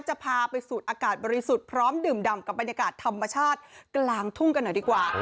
จะพาไปสูดอากาศบริสุทธิ์พร้อมดื่มดำกับบรรยากาศธรรมชาติกลางทุ่งกันหน่อยดีกว่า